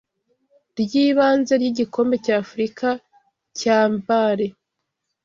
ry’ibanze ry’igikombe cy’Afurika cya BALe